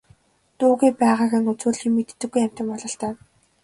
Дуугүй байгааг нь үзвэл юм мэддэггүй амьтан бололтой.